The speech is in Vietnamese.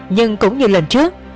nhưng cũng như lần trước